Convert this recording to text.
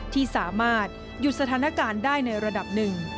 ที่สามารถหยุดสถานการณ์ได้ในระดับหนึ่ง